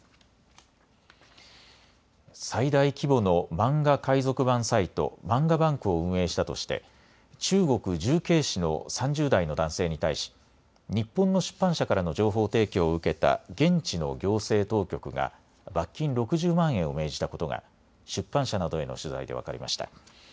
最大規模の漫画海賊版サイト、漫画ＢＡＮＫを運営したとして中国・重慶市の３０代の男性に対し日本の出版社からの情報提供を受けた現地の行政当局が罰金６０万円を命じたことが出版社などへの取材で分かりました。